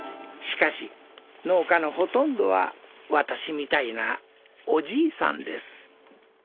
しかし農家のほとんどは私みたいなおじいさんです。